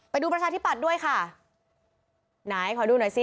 ประชาธิปัตย์ด้วยค่ะไหนขอดูหน่อยสิ